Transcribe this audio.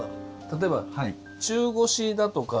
例えば中腰だとか。